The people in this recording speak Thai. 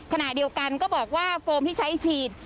ขณะเดียวกันก็บอกว่าโฟมที่ใช้ฉีด